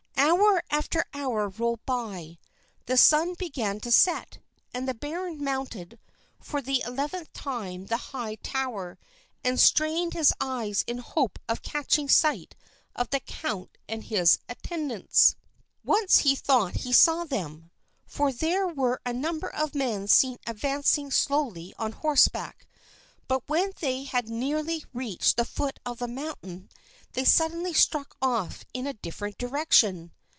Hour after hour rolled by. The sun began to set, and the baron mounted for the eleventh time to the high tower, and strained his eyes in hope of catching sight of the count and his attendants. Once he thought he saw them, for there were a number of men seen advancing slowly on horseback, but when they had nearly reached the foot of the mountain, they suddenly struck off in a different direction.